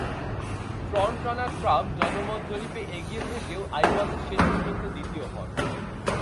Front runner Trump জনমত জরিপে এগিয়ে থেকেও আইওয়াতে শেষ পর্যন্ত দ্বিতীয় হন।